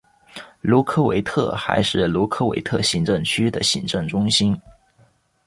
卢科维特还是卢科维特行政区的行政中心。